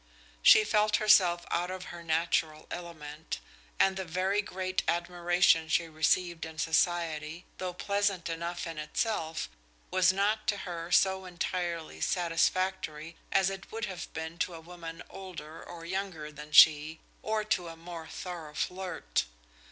She felt herself out of her natural element, and the very great admiration she received in society, though pleasant enough in itself, was not to her so entirely satisfactory as it would have been to a woman older or younger than she, or to a more thorough flirt.